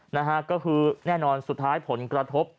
นะฮะก็คือแน่นอนสุดท้ายผลกระทบ